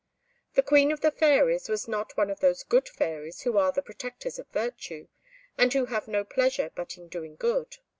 The Queen of the Fairies was not one of those good fairies who are the protectors of virtue, and who have no pleasure but in doing good.